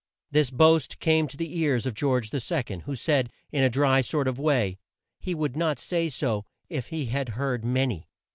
This boast came to the ears of George II. who said, in a dry sort of a way, "He would not say so if he had heard ma ny."